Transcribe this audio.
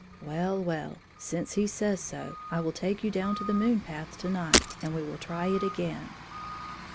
Well, well, since he says so, I will take you down to the moon path to night, and we will try it again."